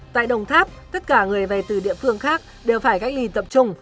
tại đồng tháp tất cả người về từ địa phương khác đều phải cách ly tập trung